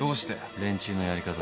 連中のやり方